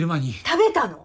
食べたの？